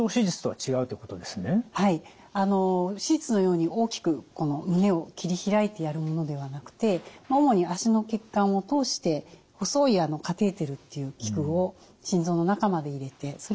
はい手術のように大きく胸を切り開いてやるものではなくて主に脚の血管を通して細いカテーテルという器具を心臓の中まで入れてそれで治療をします。